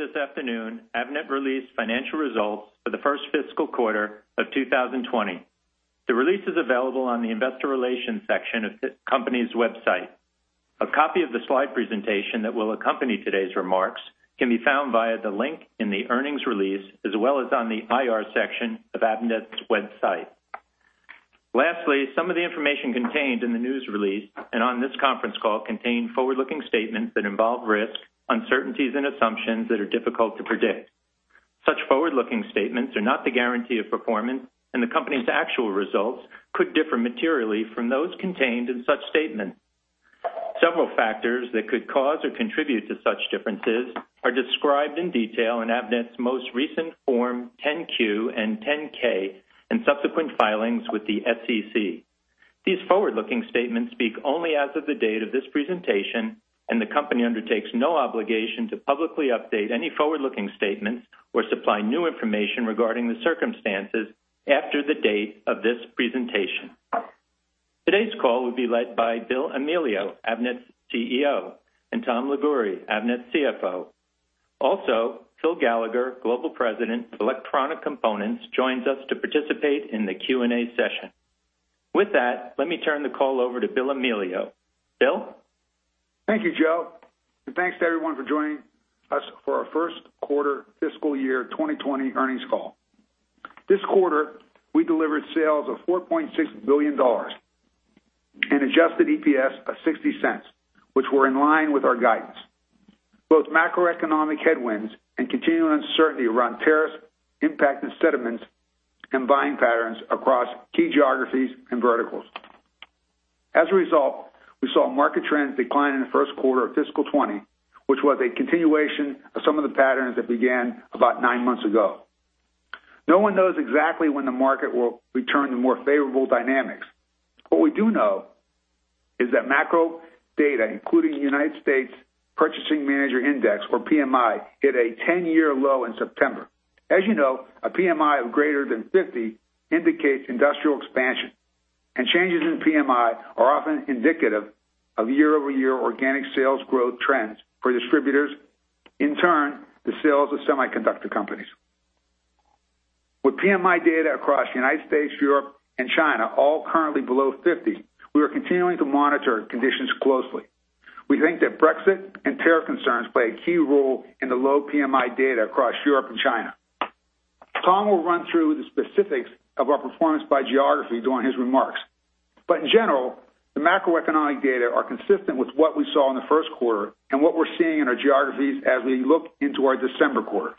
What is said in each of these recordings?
Earlier this afternoon, Avnet released financial results for the first fiscal quarter of 2020. The release is available on the investor relations section of the company's website. A copy of the slide presentation that will accompany today's remarks can be found via the link in the earnings release as well as on the IR section of Avnet's website. Lastly, some of the information contained in the news release and on this conference call contain forward-looking statements that involve risks, uncertainties, and assumptions that are difficult to predict. Such forward-looking statements are not the guarantee of performance, and the company's actual results could differ materially from those contained in such statements. Several factors that could cause or contribute to such differences are described in detail in Avnet's most recent Form 10-Q and 10-K, and subsequent filings with the SEC. These forward-looking statements speak only as of the date of this presentation, and the company undertakes no obligation to publicly update any forward-looking statements or supply new information regarding the circumstances after the date of this presentation. Today's call will be led by Bill Amelio, Avnet's CEO, and Tom Liguori, Avnet's CFO. Phil Gallagher, Global President, Electronic Components, joins us to participate in the Q&A session. With that, let me turn the call over to Bill Amelio. Bill? Thank you, Joe. Thanks to everyone for joining us for our first-quarter fiscal year 2020 earnings call. This quarter, we delivered sales of $4.6 billion and adjusted EPS of $0.60, which were in line with our guidance. Both macroeconomic headwinds and continuing uncertainty around tariffs impacted sentiments and buying patterns across key geographies and verticals. As a result, we saw market trends decline in the first quarter of fiscal 2020, which was a continuation of some of the patterns that began about nine months ago. No one knows exactly when the market will return to more favorable dynamics. What we do know is that macro data, including the U.S. Purchasing Manager Index, or PMI, hit a 10-year low in September. As you know, a PMI of greater than 50 indicates industrial expansion, and changes in PMI are often indicative of year-over-year organic sales growth trends for distributors, in turn, the sales of semiconductor companies. With PMI data across the United States, Europe, and China all currently below 50, we are continuing to monitor conditions closely. We think that Brexit and tariff concerns play a key role in the low PMI data across Europe and China. Tom will run through the specifics of our performance by geography during his remarks. In general, the macroeconomic data are consistent with what we saw in the first quarter and what we're seeing in our geographies as we look into our December quarter.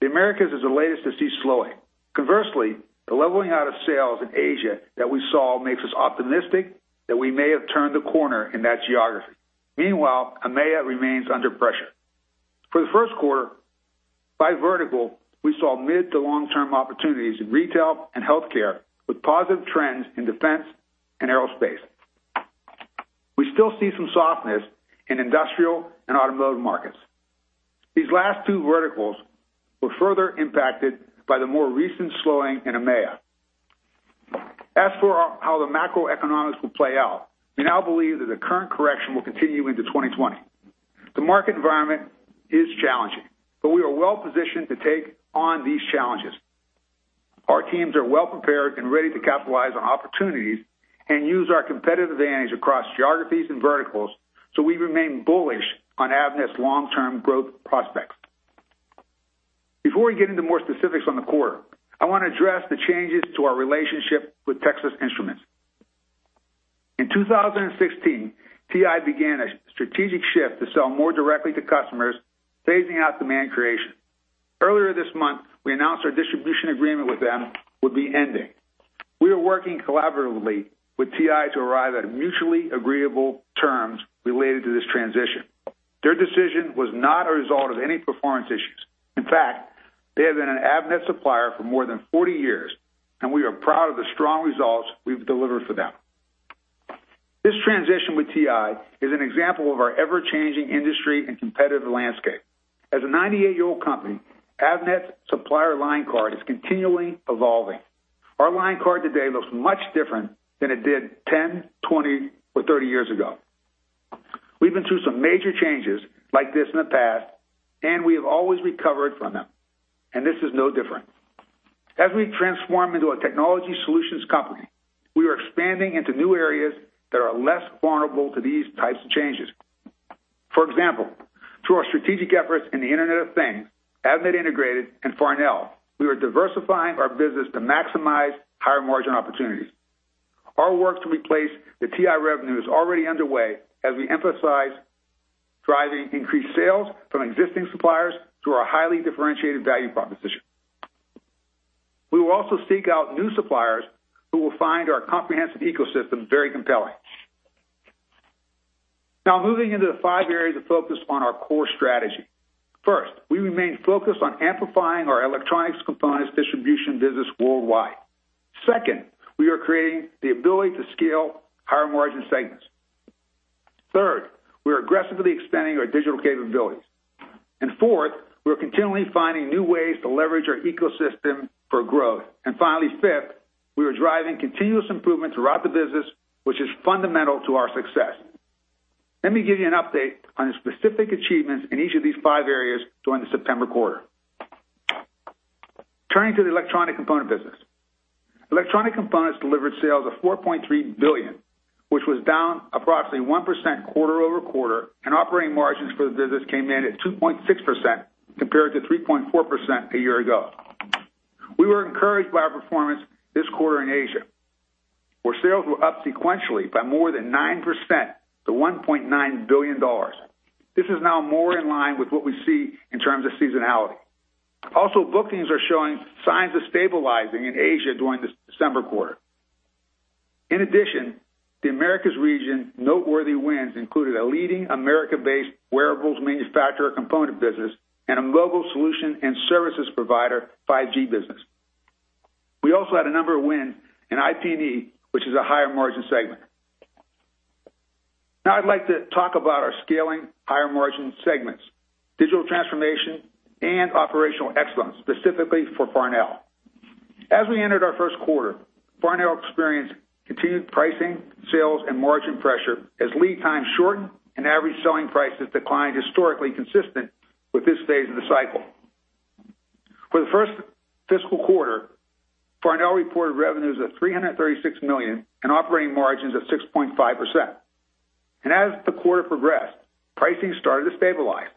The Americas is the latest to see slowing. Conversely, the leveling out of sales in Asia that we saw makes us optimistic that we may have turned the corner in that geography. Meanwhile, EMEA remains under pressure. For the first quarter, by vertical, we saw mid to long-term opportunities in retail and healthcare, with positive trends in defense and aerospace. We still see some softness in industrial and automotive markets. These last two verticals were further impacted by the more recent slowing in EMEA. As for how the macroeconomics will play out, we now believe that the current correction will continue into 2020. The market environment is challenging, but we are well-positioned to take on these challenges. Our teams are well-prepared and ready to capitalize on opportunities and use our competitive advantage across geographies and verticals, so we remain bullish on Avnet's long-term growth prospects. Before we get into more specifics on the quarter, I want to address the changes to our relationship with Texas Instruments. In 2016, TI began a strategic shift to sell more directly to customers, phasing out demand creation. Earlier this month, we announced our distribution agreement with them would be ending. We are working collaboratively with TI to arrive at mutually agreeable terms related to this transition. Their decision was not a result of any performance issues. In fact, they have been an Avnet supplier for more than 40 years, and we are proud of the strong results we've delivered for them. This transition with TI is an example of our ever-changing industry and competitive landscape. As a 98-year-old company, Avnet supplier line card is continually evolving. Our line card today looks much different than it did 10, 20, or 30 years ago. We've been through some major changes like this in the past, and we have always recovered from them, and this is no different. As we transform into a technology solutions company, we are expanding into new areas that are less vulnerable to these types of changes. For example, through our strategic efforts in the Internet of Things, Avnet Integrated, and Farnell, we are diversifying our business to maximize higher margin opportunities. Our work to replace the TI revenue is already underway as we emphasize driving increased sales from existing suppliers through our highly differentiated value proposition. We will also seek out new suppliers who will find our comprehensive ecosystem very compelling. Moving into the five areas of focus on our core strategy. First, we remain focused on amplifying our Electronic Components distribution business worldwide. Second, we are creating the ability to scale higher margin segments. Third, we are aggressively expanding our digital capabilities. Fourth, we are continually finding new ways to leverage our ecosystem for growth. Finally, fifth, we are driving continuous improvement throughout the business, which is fundamental to our success. Let me give you an update on specific achievements in each of these five areas during the September quarter. Turning to the Electronic Components business. Electronic Components delivered sales of $4.3 billion, which was down approximately 1% quarter-over-quarter, and operating margins for the business came in at 2.6% compared to 3.4% a year ago. We were encouraged by our performance this quarter in Asia, where sales were up sequentially by more than 9% to $1.9 billion. This is now more in line with what we see in terms of seasonality. Bookings are showing signs of stabilizing in Asia during the December quarter. In addition, the Americas region noteworthy wins included a leading American-based wearables manufacturer component business and a mobile solution and services provider 5G business. We also had a number of wins in IPD, which is a higher margin segment. Now I'd like to talk about our scaling higher margin segments, digital transformation and operational excellence, specifically for Farnell. As we entered our first quarter, Farnell experienced continued pricing, sales, and margin pressure as lead times shortened and average selling prices declined historically consistent with this stage of the cycle. For the first fiscal quarter, Farnell reported revenues of $336 million and operating margins of 6.5%. As the quarter progressed, pricing started to stabilize.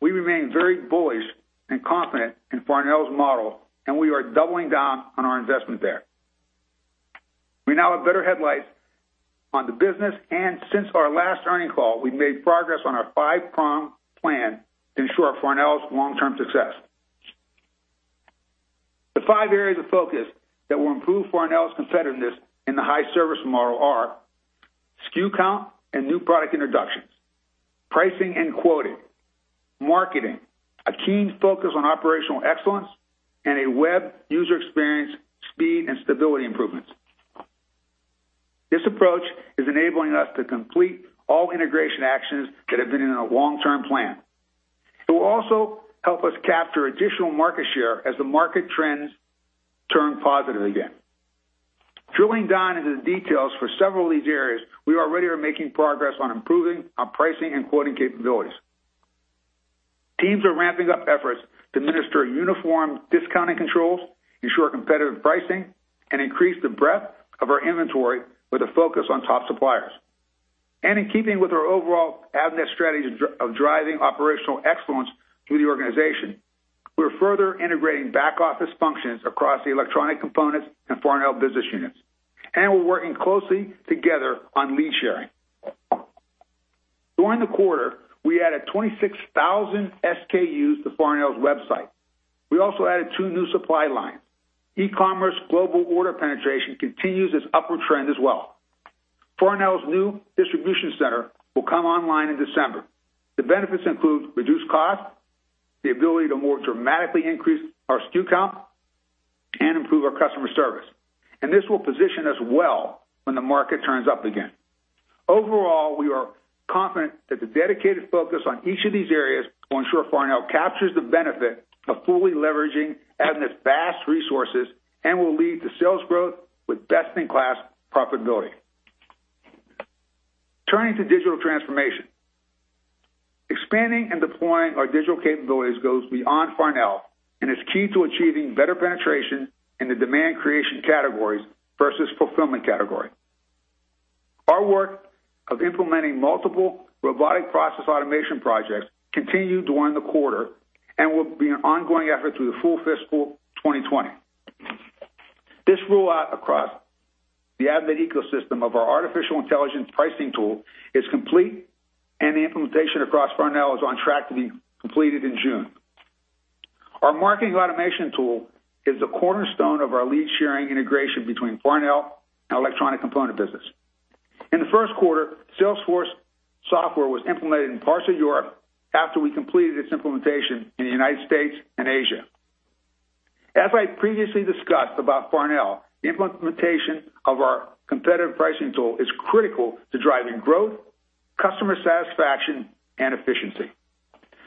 We remain very bullish and confident in Farnell's model, and we are doubling down on our investment there. We now have better headlights on the business, and since our last earnings call, we've made progress on our five-prong plan to ensure Farnell's long-term success. The five areas of focus that will improve Farnell's competitiveness in the high service model are SKU count and new product introductions, pricing and quoting, marketing, a keen focus on operational excellence, and a web user experience, speed, and stability improvements. This approach is enabling us to complete all integration actions that have been in our long-term plan. It will also help us capture additional market share as the market trends turn positive again. Drilling down into the details for several of these areas, we already are making progress on improving our pricing and quoting capabilities. Teams are ramping up efforts to administer uniform discounting controls, ensure competitive pricing, and increase the breadth of our inventory with a focus on top suppliers. In keeping with our overall Avnet strategy of driving operational excellence through the organization, we're further integrating back-office functions across the Electronic Components and Farnell business units, and we're working closely together on lead sharing. During the quarter, we added 26,000 SKUs to Farnell's website. We also added two new supply lines. E-commerce global order penetration continues its upward trend as well. Farnell's new distribution center will come online in December. The benefits include reduced cost, the ability to more dramatically increase our SKU count, and improve our customer service. This will position us well when the market turns up again. Overall, we are confident that the dedicated focus on each of these areas will ensure Farnell captures the benefit of fully leveraging Avnet's vast resources and will lead to sales growth with best-in-class profitability. Turning to digital transformation. Expanding and deploying our digital capabilities goes beyond Farnell and is key to achieving better penetration in the demand creation categories versus fulfillment category. Our work of implementing multiple Robotic Process Automation projects continued during the quarter and will be an ongoing effort through the full fiscal 2020. This rollout across the Avnet ecosystem of our artificial intelligence pricing tool is complete, and the implementation across Farnell is on track to be completed in June. Our marketing automation tool is the cornerstone of our lead-sharing integration between Farnell and Electronic Components business. In the first quarter, Salesforce software was implemented in parts of Europe after we completed its implementation in the United States and Asia. As I previously discussed about Farnell, implementation of our competitive pricing tool is critical to driving growth, customer satisfaction, and efficiency.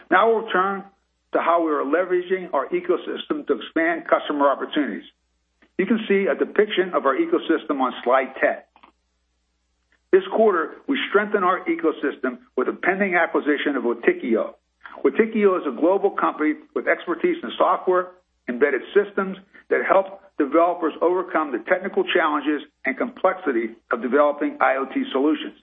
Now we'll turn to how we are leveraging our ecosystem to expand customer opportunities. You can see a depiction of our ecosystem on slide 10. This quarter, we strengthened our ecosystem with the pending acquisition of Witekio. Witekio is a global company with expertise in software, embedded systems that help developers overcome the technical challenges and complexity of developing IoT solutions.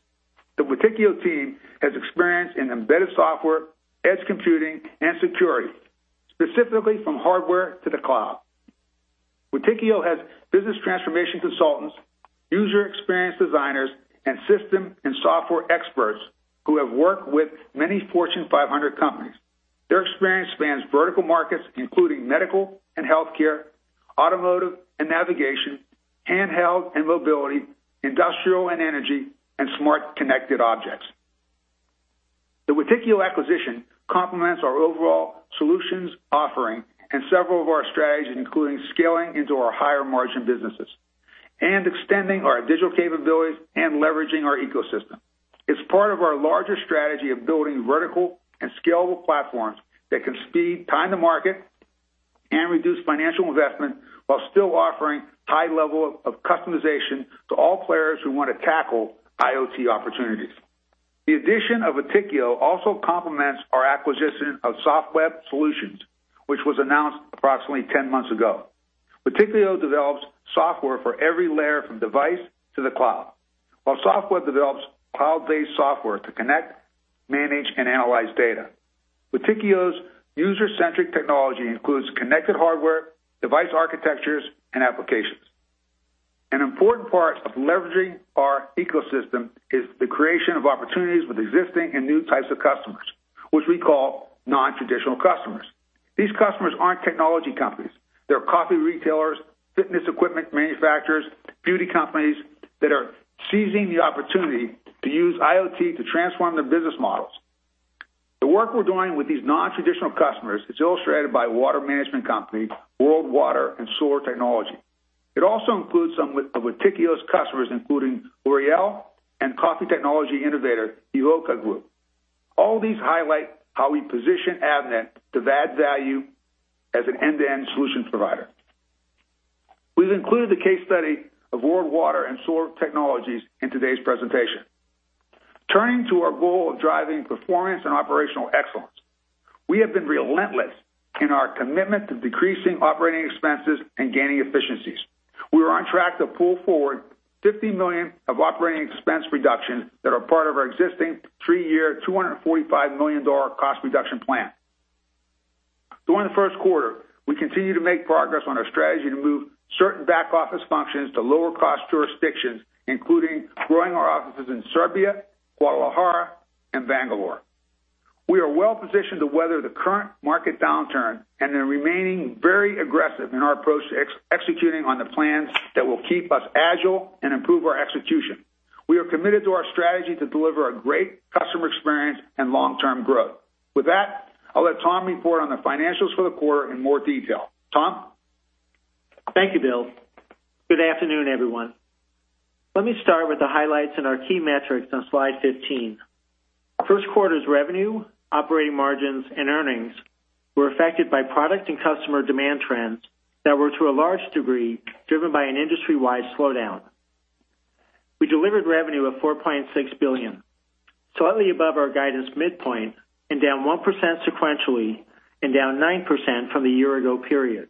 The Witekio team has experience in embedded software, edge computing, and security, specifically from hardware to the cloud. Witekio has business transformation consultants, user experience designers, and system and software experts who have worked with many Fortune 500 companies. Their experience spans vertical markets, including medical and healthcare, automotive and navigation, handheld and mobility, industrial and energy, and smart connected objects. The Witekio acquisition complements our overall solutions offering and several of our strategies, including scaling into our higher margin businesses and extending our digital capabilities and leveraging our ecosystem. It's part of our larger strategy of building vertical and scalable platforms that can speed time to market and reduce financial investment while still offering high level of customization to all players who want to tackle IoT opportunities. The addition of Witekio also complements our acquisition of Softweb Solutions, which was announced approximately 10 months ago. Witekio develops software for every layer from device to the cloud, while Softweb develops cloud-based software to connect, manage, and analyze data. Witekio's user-centric technology includes connected hardware, device architectures, and applications. An important part of leveraging our ecosystem is the creation of opportunities with existing and new types of customers, which we call non-traditional customers. These customers aren't technology companies. They're coffee retailers, fitness equipment manufacturers, beauty companies that are seizing the opportunity to use IoT to transform their business models. The work we're doing with these non-traditional customers is illustrated by water management company WorldWater & Solar Technologies. It also includes some of Witekio's customers, including L'Oréal and coffee technology innovator, Evoca Group. All these highlight how we position Avnet to add value as an end-to-end solution provider. We've included the case study of WorldWater & Solar Technologies in today's presentation. Turning to our goal of driving performance and operational excellence, we have been relentless in our commitment to decreasing operating expenses and gaining efficiencies. We are on track to pull forward $50 million of operating expense reductions that are part of our existing three-year, $245 million cost reduction plan. During the first quarter, we continue to make progress on our strategy to move certain back-office functions to lower cost jurisdictions, including growing our offices in Serbia, Guadalajara, and Bangalore. We are well positioned to weather the current market downturn and are remaining very aggressive in our approach to executing on the plans that will keep us agile and improve our execution. We are committed to our strategy to deliver a great customer experience and long-term growth. With that, I'll let Tom report on the financials for the quarter in more detail. Tom? Thank you, Bill. Good afternoon, everyone. Let me start with the highlights in our key metrics on slide 15. First quarter's revenue, operating margins, and earnings were affected by product and customer demand trends that were to a large degree, driven by an industry-wide slowdown. We delivered revenue of $4.6 billion, slightly above our guidance midpoint and down 1% sequentially and down 9% from the year-ago period.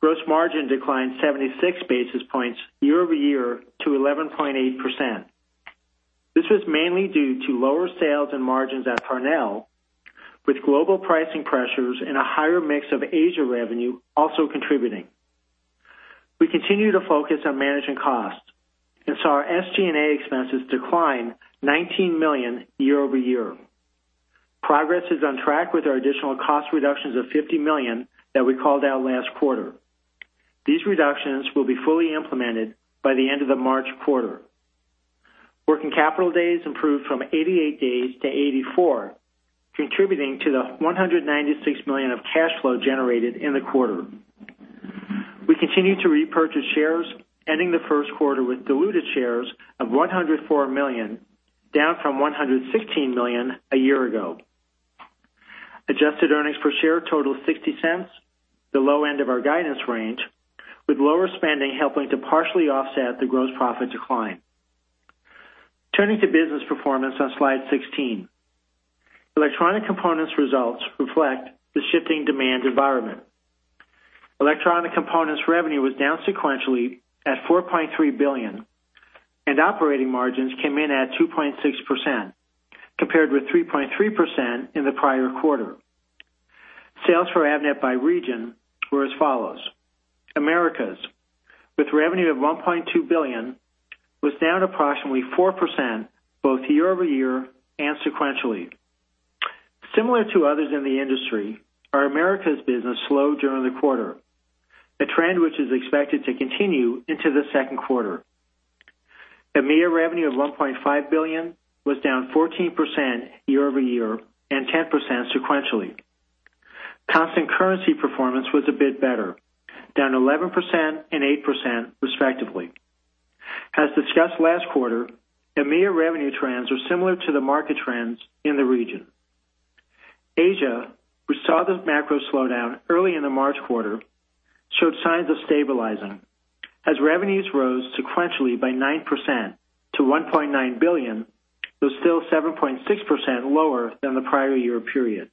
Gross margin declined 76 basis points year-over-year to 11.8%. This was mainly due to lower sales and margins at Farnell, with global pricing pressures and a higher mix of Asia revenue also contributing. We continue to focus on managing costs and saw our SG&A expenses decline $19 million year-over-year. Progress is on track with our additional cost reductions of $50 million that we called out last quarter. These reductions will be fully implemented by the end of the March quarter. Working capital days improved from 88 days to 84, contributing to the $196 million of cash flow generated in the quarter. We continue to repurchase shares, ending the first quarter with diluted shares of $104 million, down from $116 million a year ago. Adjusted earnings per share total $0.60, the low end of our guidance range, with lower spending helping to partially offset the gross profit decline. Turning to business performance on slide 16. Electronic Components results reflect the shifting demand environment. Electronic Components revenue was down sequentially at $4.3 billion, and operating margins came in at 2.6%, compared with 3.3% in the prior quarter. Sales for Avnet by region were as follows. Americas, with revenue of $1.2 billion, was down approximately 4% both year-over-year and sequentially. Similar to others in the industry, our Americas business slowed during the quarter, a trend which is expected to continue into the second quarter. EMEA revenue of $1.5 billion was down 14% year-over-year and 10% sequentially. Constant currency performance was a bit better, down 11% and 8% respectively. As discussed last quarter, EMEA revenue trends are similar to the market trends in the region. Asia, we saw the macro slowdown early in the March quarter, showed signs of stabilizing as revenues rose sequentially by 9% to $1.9 billion, though still 7.6% lower than the prior year period.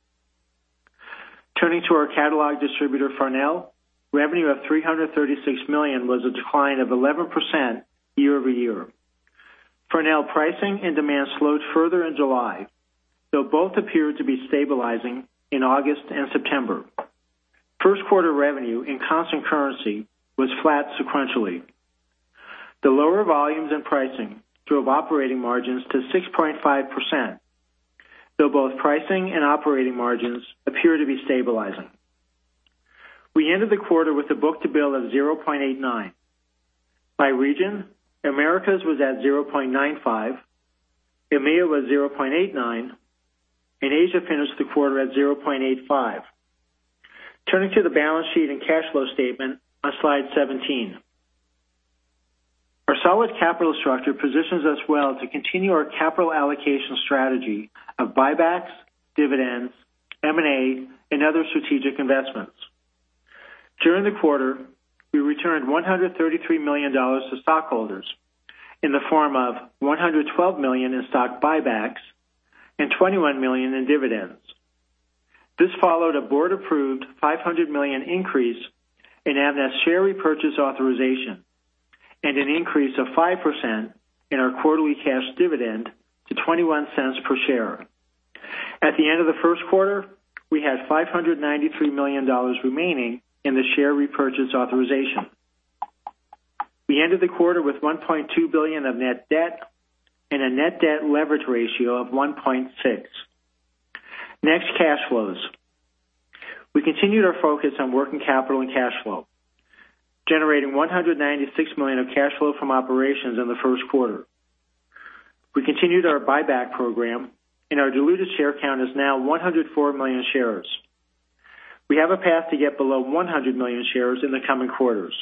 Turning to our catalog distributor, Farnell, revenue of $336 million was a decline of 11% year-over-year. Farnell pricing and demand slowed further in July, though both appeared to be stabilizing in August and September. First quarter revenue in constant currency was flat sequentially. The lower volumes and pricing drove operating margins to 6.5%, though both pricing and operating margins appear to be stabilizing. We ended the quarter with a book-to-bill of 0.89. By region, Americas was at 0.95, EMEA was 0.89, Asia finished the quarter at 0.85. Turning to the balance sheet and cash flow statement on slide 17. Our solid capital structure positions us well to continue our capital allocation strategy of buybacks, dividends, M&A, and other strategic investments. During the quarter, we returned $133 million to stockholders in the form of $112 million in stock buybacks and $21 million in dividends. This followed a board-approved $500 million increase in Avnet's share repurchase authorization and an increase of 5% in our quarterly cash dividend to $0.21 per share. At the end of the first quarter, we had $593 million remaining in the share repurchase authorization. We ended the quarter with $1.2 billion of net debt and a net debt leverage ratio of 1.6. Next, cash flows. We continued our focus on working capital and cash flow, generating $196 million of cash flow from operations in the first quarter. We continued our buyback program, and our diluted share count is now 104 million shares. We have a path to get below 100 million shares in the coming quarters.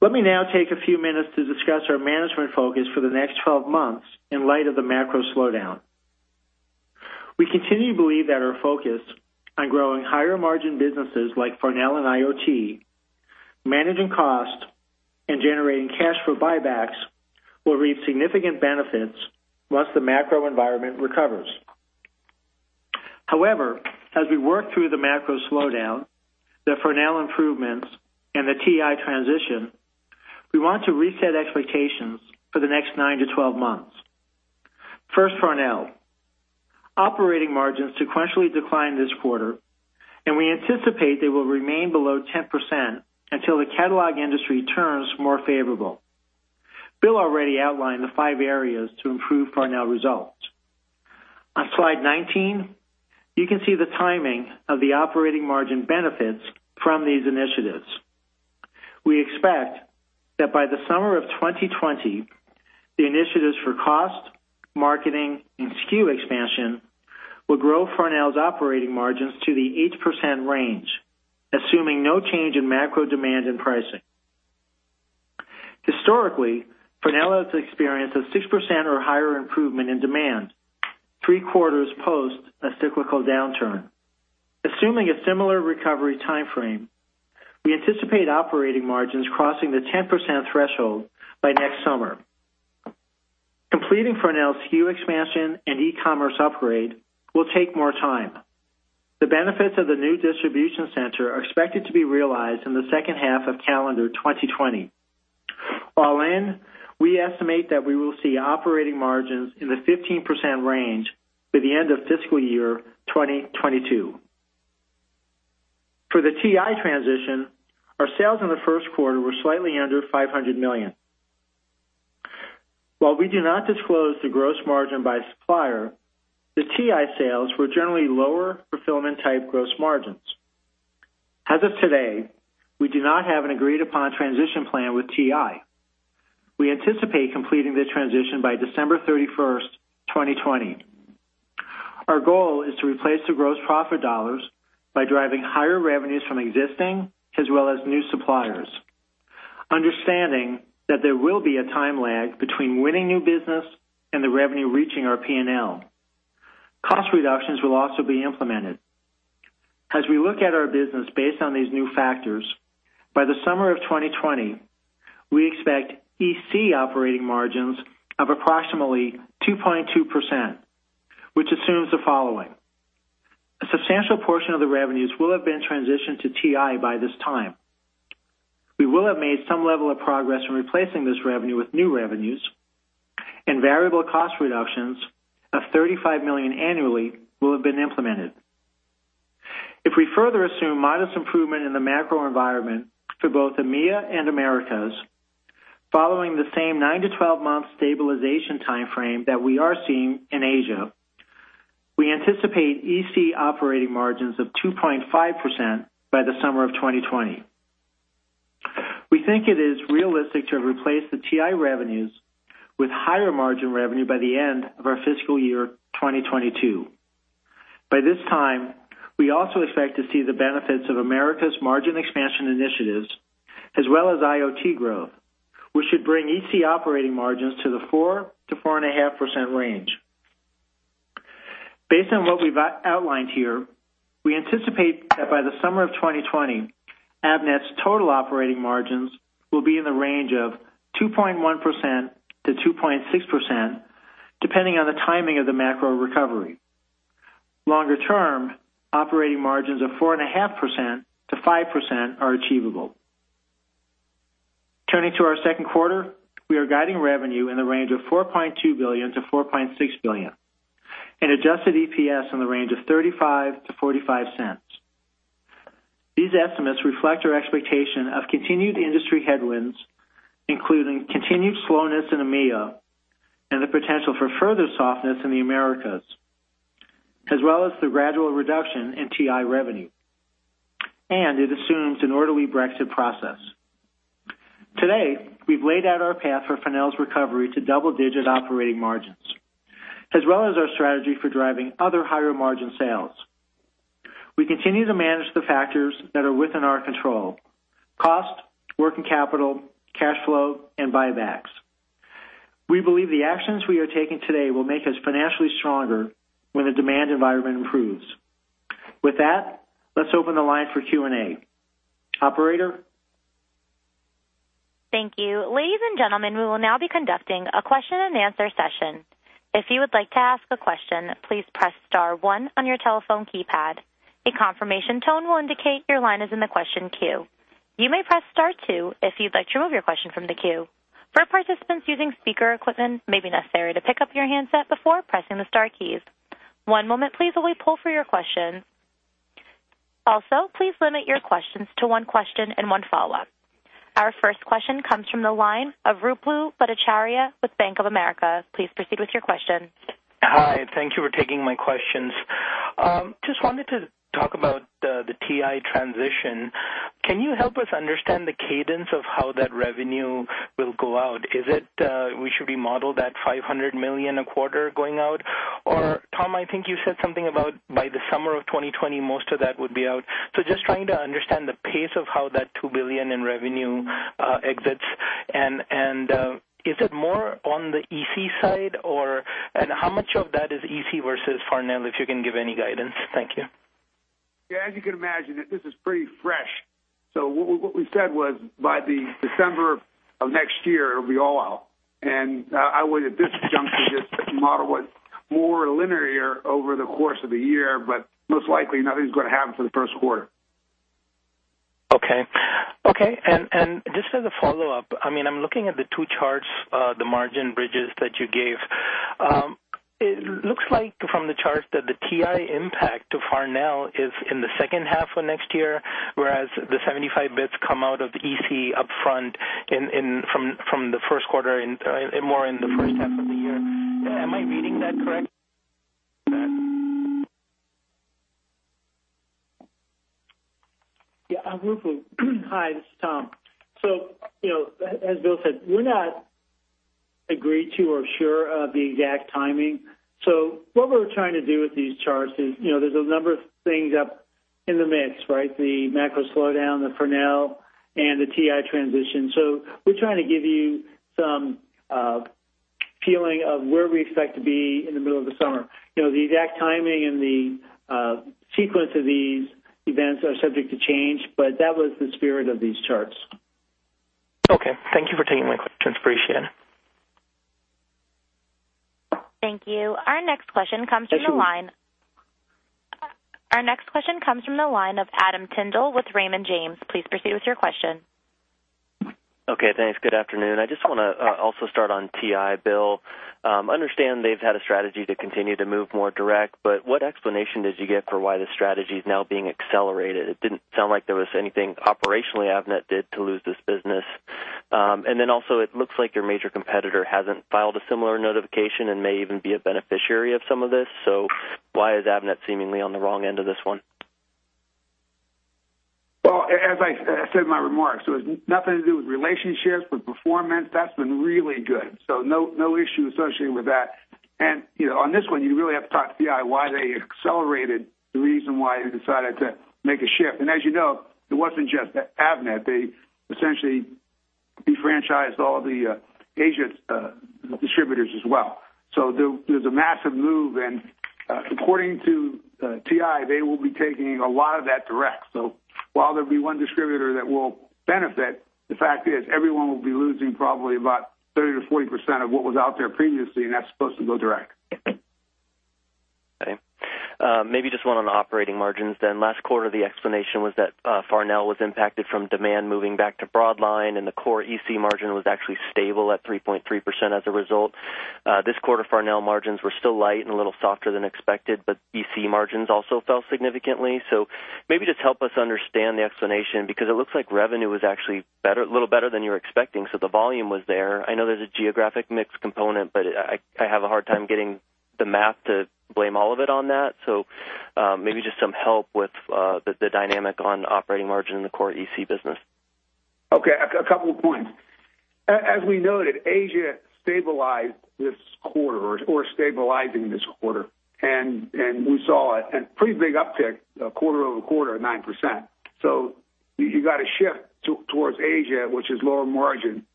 Let me now take a few minutes to discuss our management focus for the next 12 months in light of the macro slowdown. We continue to believe that our focus on growing higher-margin businesses like Farnell and IoT, managing cost, and generating cash for buybacks will reap significant benefits once the macro environment recovers. As we work through the macro slowdown, the Farnell improvements, and the TI transition, we want to reset expectations for the next nine to 12 months. First, Farnell. Operating margins sequentially declined this quarter, and we anticipate they will remain below 10% until the catalog industry turns more favorable. Bill already outlined the five areas to improve Farnell results. On slide 19, you can see the timing of the operating margin benefits from these initiatives. We expect that by the summer of 2020, the initiatives for cost, marketing, and SKU expansion will grow Farnell's operating margins to the 8% range, assuming no change in macro demand and pricing. Historically, Farnell has experienced a 6% or higher improvement in demand three quarters post a cyclical downturn. Assuming a similar recovery timeframe, we anticipate operating margins crossing the 10% threshold by next summer. Completing Farnell SKU expansion and e-commerce upgrade will take more time. The benefits of the new distribution center are expected to be realized in the second half of calendar 2020. All in, we estimate that we will see operating margins in the 15% range by the end of fiscal year 2022. For the TI transition, our sales in the first quarter were slightly under $500 million. While we do not disclose the gross margin by supplier, the TI sales were generally lower fulfillment-type gross margins. As of today, we do not have an agreed-upon transition plan with TI. We anticipate completing the transition by December 31st, 2020. Our goal is to replace the gross profit dollars by driving higher revenues from existing as well as new suppliers, understanding that there will be a time lag between winning new business and the revenue reaching our P&L. Cost reductions will also be implemented. As we look at our business based on these new factors, by the summer of 2020, we expect EC operating margins of approximately 2.2%, which assumes the following. A substantial portion of the revenues will have been transitioned to TI by this time. We will have made some level of progress in replacing this revenue with new revenues, and variable cost reductions of $35 million annually will have been implemented. If we further assume modest improvement in the macro environment for both EMEA and Americas, following the same 9 to 12-month stabilization timeframe that we are seeing in Asia, we anticipate EC operating margins of 2.5% by the summer of 2020. We think it is realistic to have replaced the TI revenues with higher margin revenue by the end of our fiscal year 2022. By this time, we also expect to see the benefits of Avnet's margin expansion initiatives as well as IoT growth, which should bring EC operating margins to the 4%-4.5% range. Based on what we've outlined here, we anticipate that by the summer of 2020, Avnet's total operating margins will be in the range of 2.1%-2.6%, depending on the timing of the macro recovery. Longer term, operating margins of 4.5%-5% are achievable. Turning to our second quarter, we are guiding revenue in the range of $4.2 billion-$4.6 billion and adjusted EPS in the range of $0.35-$0.45. These estimates reflect our expectation of continued industry headwinds, including continued slowness in EMEA and the potential for further softness in the Americas, as well as the gradual reduction in TI revenue. It assumes an orderly Brexit process. We've laid out our path for Farnell's recovery to double-digit operating margins, as well as our strategy for driving other higher-margin sales. A confirmation tone will indicate your line is in the question queue. You may press star 2 if you'd like to remove your question from the queue. For participants using speaker equipment, it may be necessary to pick up your handset before pressing the star keys.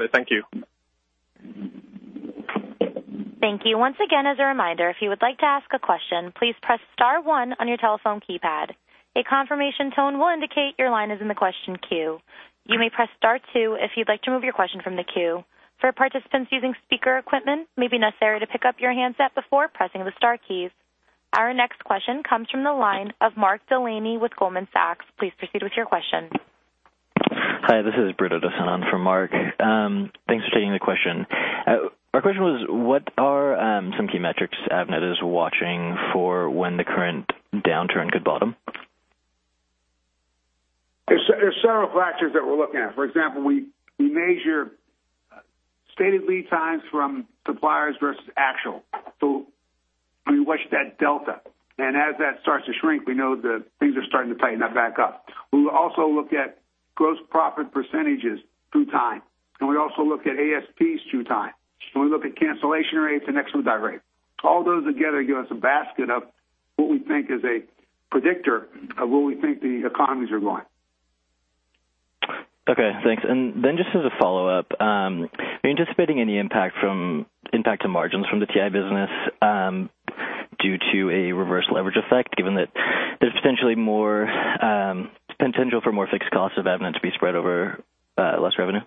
Our next question comes from the line of Mark Delaney with Goldman Sachs. Please proceed with your question. Hi, this is Brito DeSan on for Mark. Thanks for taking the question. Our question was, what are some key metrics Avnet is watching for when the current downturn could bottom? There's several factors that we're looking at. For example, we measure stated lead times from suppliers versus actual. We watch that delta, and as that starts to shrink, we know that things are starting to tighten back up. We'll also look at gross profit percentages through time, and we also look at ASPs through time. We look at cancellation rates and exit die rates. All those together give us a basket of what we think is a predictor of where we think the economies are going. Okay, thanks. Then just as a follow-up, are you anticipating any impact to margins from the TI business due to a reverse leverage effect, given that there's potential for more fixed costs of Avnet to be spread over less revenue?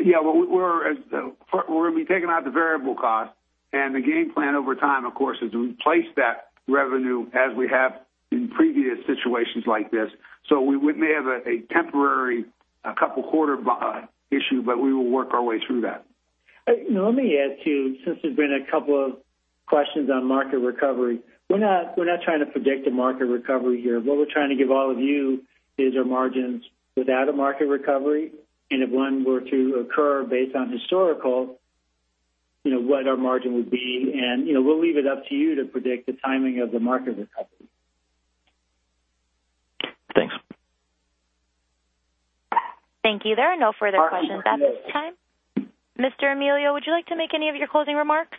Yeah. We're going to be taking out the variable cost and the game plan over time, of course, is to replace that revenue as we have in previous situations like this. We may have a temporary couple quarter issue, but we will work our way through that. Let me add, too, since there's been a couple of questions on market recovery. We're not trying to predict a market recovery here. What we're trying to give all of you is our margins without a market recovery, and if one were to occur based on historical, what our margin would be, and we'll leave it up to you to predict the timing of the market recovery. Thanks. Thank you. There are no further questions at this time. Mr. Amelio, would you like to make any of your closing remarks?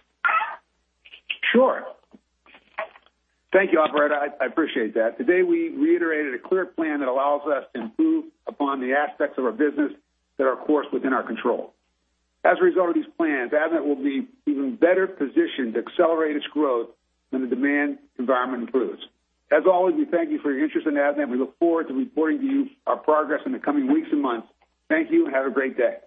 Sure. Thank you, operator. I appreciate that. Today, we reiterated a clear plan that allows us to improve upon the aspects of our business that are, of course, within our control. As a result of these plans, Avnet will be even better positioned to accelerate its growth when the demand environment improves. As always, we thank you for your interest in Avnet. We look forward to reporting to you our progress in the coming weeks and months. Thank you, and have a great day.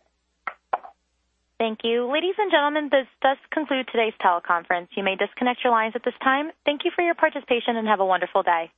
Thank you. Ladies and gentlemen, this does conclude today's teleconference. You may disconnect your lines at this time. Thank you for your participation, and have a wonderful day.